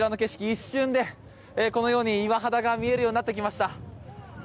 一瞬でこのように岩肌が見えるようになってきました。